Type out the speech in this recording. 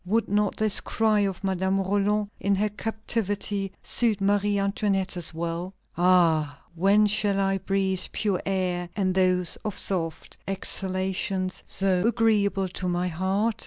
Would not this cry of Madame Roland in her captivity suit Marie Antoinette as well? "Ah! when shall I breathe pure air and those soft exhalations so agreeable to my heart?"